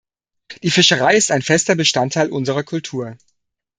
Die Fischerei ist ein fester Bestandteil unserer Kultur.